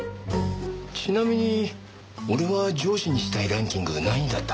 ちなみに俺は上司にしたいランキング何位だった？